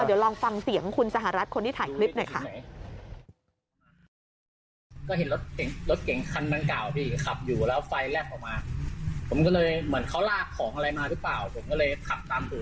เดี๋ยวลองฟังเสียงคุณสหรัฐคนที่ถ่ายคลิปหน่อยค่ะ